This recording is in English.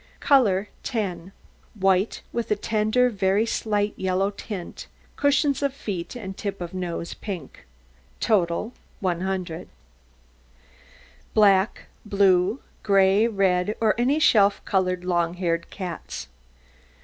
COLOUR 10 White, with a tender, very slightly yellow tint; cushions of feet and tip of nose pink. TOTAL 100 BLACK, BLUE, GRAY, RED, OR ANY SELF COLOUR LONG HAIRED CATS.